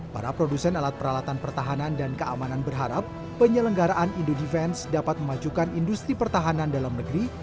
para produsen alat peralatan pertahanan dan keamanan berharap penyelenggaraan indo defense dapat memajukan industri pertahanan dalam negeri